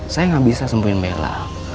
saya gak bisa sembuhin bella